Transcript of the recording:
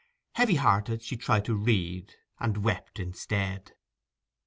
Heavy hearted, she tried to read, and wept instead.